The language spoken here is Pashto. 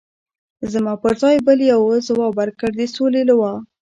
زما پر ځای بل یوه ځواب ورکړ: د سولې لوا.